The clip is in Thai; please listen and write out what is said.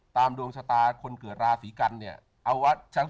ตามดวงชัตริย์คนเกิดราศีกัณฑ์เนี่ย